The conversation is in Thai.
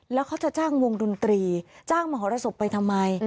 แล้วเขาจะจ้างวงดนตรีจ้างมหรสบไปทำไม